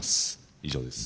以上です。